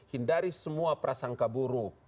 hindari semua prasangka buruk